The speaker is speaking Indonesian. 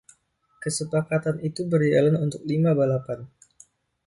Kesepakatan itu berjalan untuk lima balapan.